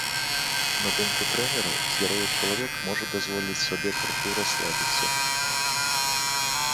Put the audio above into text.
На думку трэнера, здаровы чалавек можа дазволіць сабе крыху расслабіцца.